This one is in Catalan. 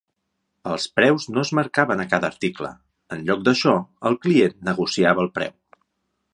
Els preus no es marcaven a cada article; en lloc d'això, el client negociava el preu.